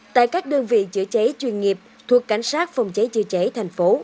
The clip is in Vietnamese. tại các đơn vị chữa cháy chuyên nghiệp thuộc cảnh sát phòng cháy chữa cháy tp hcm